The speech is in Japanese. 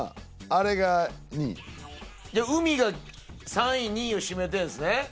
あれが２位海が３位２位を占めてんですね